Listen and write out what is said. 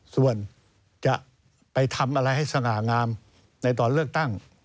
ส่วนจะไปทำอะไรให้สง่างามในตอนเลือกตั้ง